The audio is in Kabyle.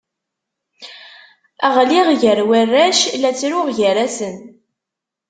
Ɣliɣ gar warrac, la ttruɣ gar-asen.